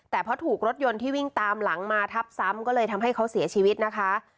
แต่เพราะถูกรถยนต์ที่วิ่งตามหลังมาทับซ้ำก็เลยทำให้เขาเสียชีวิตนะคะ